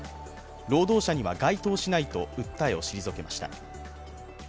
労働者には該当しないと訴えを退けました。